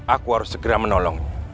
aku harus segera menolongnya